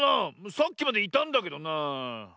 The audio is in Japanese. さっきまでいたんだけどなあ。